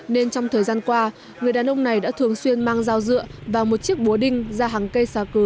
nên trong thời gian qua người đàn ông này đã thường xuyên mang rau dựa và một chiếc búa đinh ra hàng cây xà cừ